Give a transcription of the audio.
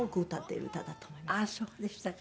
ああそうでしたか。